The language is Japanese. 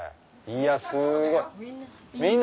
いやすごい。